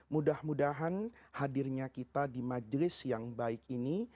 mudah mudahan hadirnya kita di majelis yang baik ini